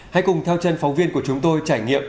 hãy cùng theo chân phóng viên của chúng tôi trải nghiệm